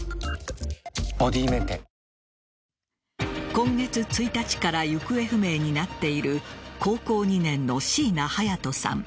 今月１日から行方不明になっている高校２年の椎名隼都さん。